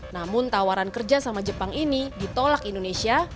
namun tawaran kerjasama jepang ini ditolak indonesia